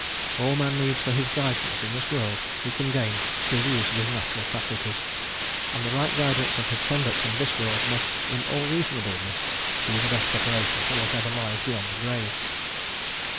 All man needs for his guidance in this world he can gain through the use of his natural faculties, and the right guidance of his conduct in this world must, in all reasonableness, be the best preparation for whatever lies beyond the grave.